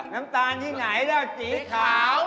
น้ำตาลยิ่งไหนด้วยเจี๊กขาว